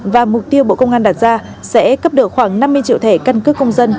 và mục tiêu bộ công an đặt ra sẽ cấp được khoảng năm mươi triệu thẻ căn cước công dân